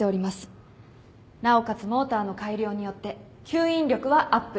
なおかつモーターの改良によって吸引力はアップ。